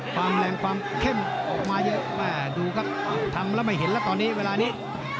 ความแรงความเข้มออกมาเยอะแม่ดูครับทำแล้วไม่เห็นแล้วตอนนี้เวลานี้